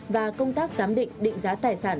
và công tác giám định định giá tài sản